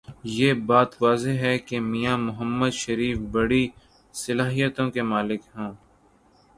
یہ بات واضح ہے کہ میاں محمد شریف بڑی صلاحیتوں کے مالک ہوں۔